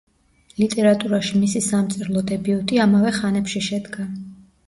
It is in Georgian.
ლიტერატურაში მისი სამწერლო დებიუტი ამავე ხანებში შედგა.